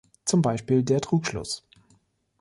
Zum Beispiel der Trugschluss.